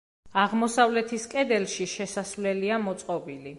აღმოსავლეთის კედელში შესასვლელია მოწყობილი.